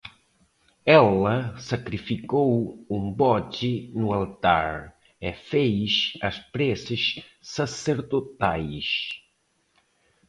Ela sacrificou um bode no altar e fez as preces sacerdotais